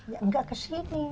ya nggak ke sini